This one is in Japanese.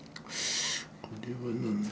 これは何だ？